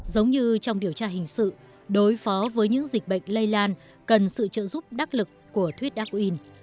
giống như trong điều tra hình sự đối phó với những dịch bệnh lây lan cần sự trợ giúp đắc lực của thuyết aquin